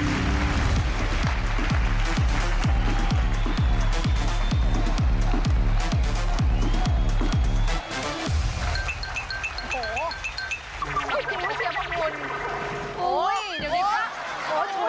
ต้องกินลูกเชียวของคุณ